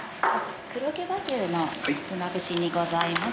黒毛和牛のひつまぶしにございます。